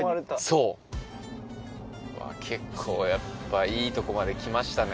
うわ結構やっぱいいとこまで来ましたね